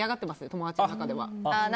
友達の中では。